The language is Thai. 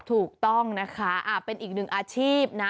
ถูกต้องนะคะเป็นอีกหนึ่งอาชีพนะ